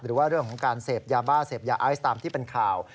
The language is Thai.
หรือว่าเรื่องของการเสพยาบ้าเสพยาไอซ์ตามที่เป็นข่าว